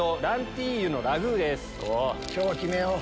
今日は決めよう！